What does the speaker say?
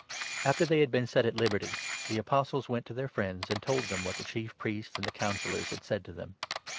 After they had been set at liberty, the Apostles went to their 23 friends and told them what the Chief Priests and the Councillors had said to them.